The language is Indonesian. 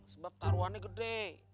sebab taruhannya gede